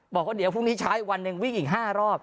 บอกว่าเดี๋ยวพรุ่งนี้ช้าอีกวันหนึ่งวิ่งอีก๕รอบ